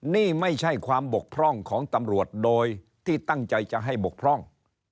นี่ไม่ใช่ความบกพร่องของตำรวจโดยที่ตั้งใจจะให้บกพร่อง